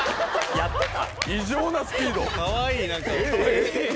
やった！